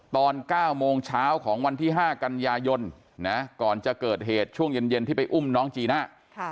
ตอน๙โมงเช้าของวันที่๕กันยายนก่อนจะเกิดเหตุช่วงเย็นที่ไปอุ้มน้องจีน่า